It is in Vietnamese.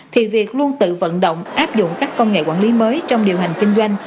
thì việc luôn tự vận động áp dụng các công nghệ quản lý mới trong điều hành kinh doanh